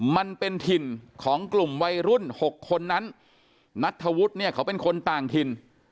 มันเป็นถิ่นของกลุ่มวัยรุ่น๖คนนั้นนัทธวุฒิเนี่ยเขาเป็นคนต่างถิ่น